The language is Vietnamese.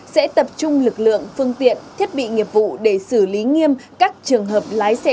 sẽ tập trung lực lượng phương tiện thiết bị nghiệp vụ để xử lý nghiêm các trường hợp lái xe